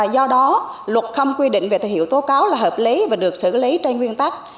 do đó luật không quy định về thời hiệu tố cáo là hợp lý và được xử lý trên nguyên tắc